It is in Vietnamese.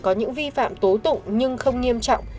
có những vi phạm tố tụng nhưng không nghiêm trọng